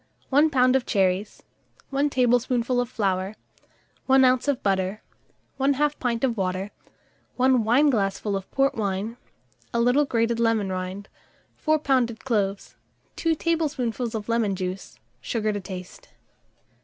1 lb. of cherries, 1 tablespoonful of flour, 1 oz. of butter, 1/2 pint of water, 1 wineglassful of port wine, a little grated lemon rind, 4 pounded cloves, 2 tablespoonfuls of lemon juice, sugar to taste.